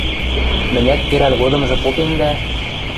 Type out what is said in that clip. – Мӹнят керӓл годымжы попем дӓ...